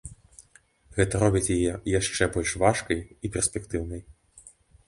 Гэта робіць яе яшчэ больш важкай і перспектыўнай.